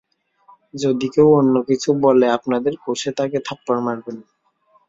যদি কেউ অন্যকিছু বলে আপনাদের, কষে তাকে থাপ্পড় মারবেন!